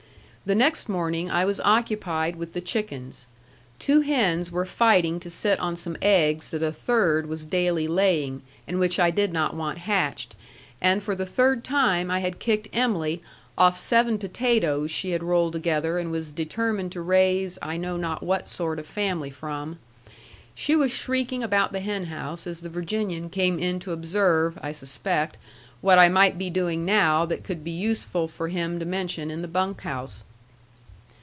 The next morning I was occupied with the chickens. Two hens were fighting to sit on some eggs that a third was daily laying, and which I did not want hatched, and for the third time I had kicked Em'ly off seven potatoes she had rolled together and was determined to raise I know not what sort of family from. She was shrieking about the hen house as the Virginian came in to observe (I suspect) what I might be doing now that could be useful for him to mention in the bunk house.